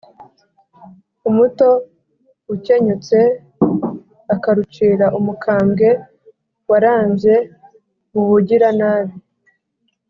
umuto ukenyutse akarucira umukambwe warambye mu bugiranabi.